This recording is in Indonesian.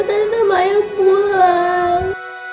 tapi sama ayah pulang